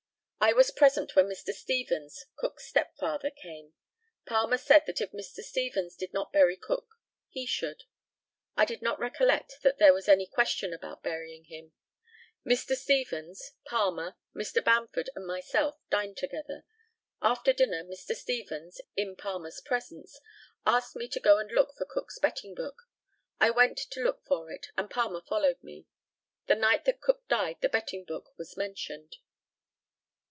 I was present when Mr. Stevens, Cook's stepfather, came. Palmer said that if Mr. Stevens did not bury Cook he should. I do not recollect that there was any question about burying him. Mr. Stevens, Palmer, Mr. Bamford, and myself, dined together. After dinner, Mr. Stevens, in Palmer's presence, asked me to go and look for Cook's betting book. I went to look for it, and Palmer followed me. The night that Cook died the betting book was mentioned.